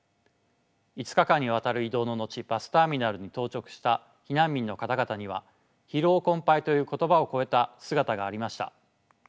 ５日間にわたる移動ののちバスターミナルに到着した避難民の方々には疲労困ぱいという言葉を超えた姿がありました。